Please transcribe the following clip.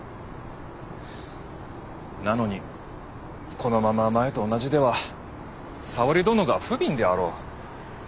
なのにこのまま前と同じでは沙織殿がふびんであろう。